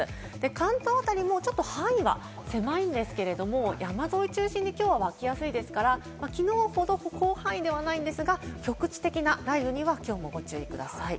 関東辺りも範囲が狭いんですけれども、山沿い中心にきょうは雲がわきやすいですから、きのうほど広範囲ではないですが局地的な雷雨には、きょうもご注意ください。